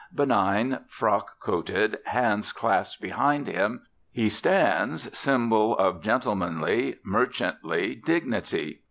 Benign, frock coated, hands clasped behind him, he stands, symbol of gentlemanly, merchantly dignity.